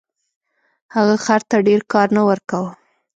هغه خر ته ډیر کار نه ورکاوه.